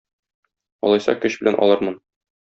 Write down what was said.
Алайса, көч белән алырмын.